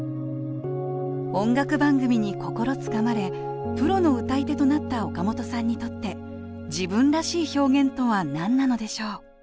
音楽番組に心つかまれプロの歌い手となった岡本さんにとって自分らしい表現とは何なのでしょう